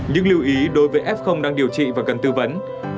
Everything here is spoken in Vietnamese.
những lưu ý đối với f đang điều trị và cần tư vấn